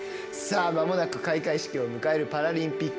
まもなく開会式を迎えるパラリンピック。